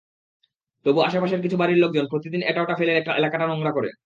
তবু আশপাশের কিছু বাড়ির লোকজন প্রতিদিন এটা-ওটা ফেলে এলাকা নোংরা করে।